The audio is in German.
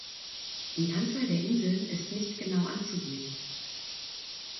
Die Anzahl der Inseln ist nicht genau anzugeben.